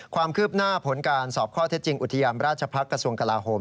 ความคืบหน้าผลการสอบข้อเท็จจริงอุทยานราชพักษ์กระทรวงกลาโหม